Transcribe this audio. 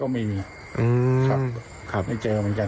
มันไม่เจอเหมือนกัน